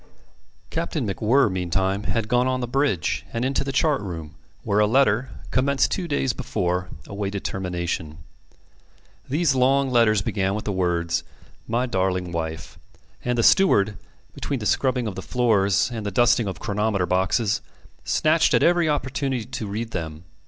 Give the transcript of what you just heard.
Captain MacWhirr meantime had gone on the bridge, and into the chart room, where a letter, commenced two days before, awaited termination. These long letters began with the words, "My darling wife," and the steward, between the scrubbing of the floors and the dusting of chronometer boxes, snatched at every opportunity to read them.